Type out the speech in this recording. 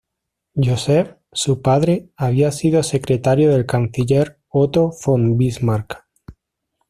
Joseph, su padre, había sido secretario del canciller Otto von Bismarck.